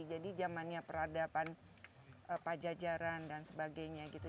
jadi zamannya peradaban pajajaran dan sebagainya gitu